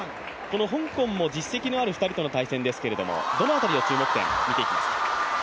香港も、実績のある２人の対戦ですがどの辺りを注目点見ていきますか？